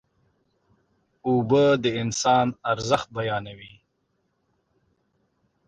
اوبه د انسان ارزښت بیانوي.